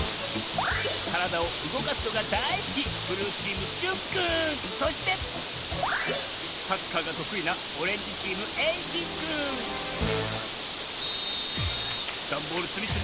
からだをうごかすのがだいすきそしてサッカーがとくいなダンボールつみつみスタート！